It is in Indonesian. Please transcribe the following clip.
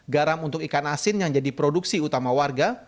garam untuk ikan asin yang jadi produksi utama warga